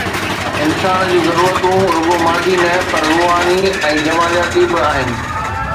انسان جون ضرورتون رڳو مادي نه پر روحاني ۽ جمالياتي به آهن.